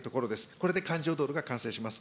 これで環状道路が完成します。